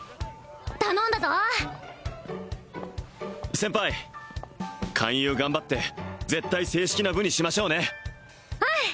頼んだぞ先輩勧誘頑張って絶対正式な部にしましょうねうん